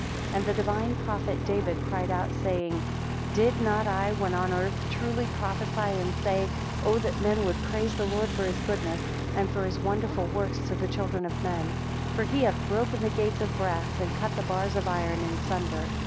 7 And the divine prophet David cried out, saying, Did not I, when on earth, truly prophesy and say, O that men would praise the Lord for his goodness, and for his wonderful works to the children of men! 8 For he hath broken the gates of brass, and cut the bars of iron in sunder.